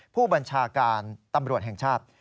ผู้บัญชาการตำรวจแห่งชาติ